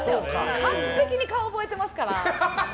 完璧に顔覚えてますから。